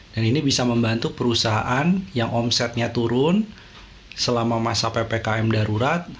dan ini bisa membantu perusahaan yang omsetnya turun selama masa ppkm darurat